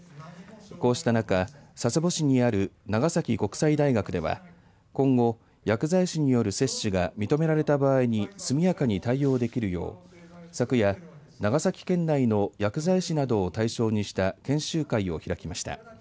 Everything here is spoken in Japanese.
こうした中、佐世保市にある長崎国際大学では今後、薬剤師による接種が認められた場合に速やかに対応できるよう、昨夜長崎県内の薬剤師などを対象にした研修会を開きました。